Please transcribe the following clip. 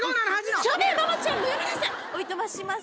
おいとまします。